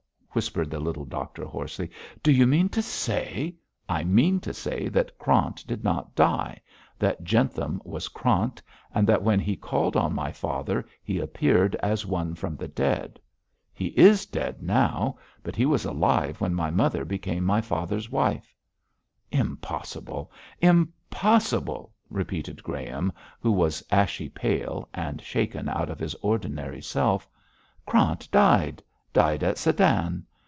whispered the little doctor, hoarsely, 'do you mean to say ' 'I mean to say that Krant did not die, that Jentham was Krant, and that when he called on my father he appeared as one from the dead. He is dead now, but he was alive when my mother became my father's wife.' 'Impossible! Impossible!' repeated Graham, who was ashy pale, and shaken out of his ordinary self. 'Krant died died at Sedan.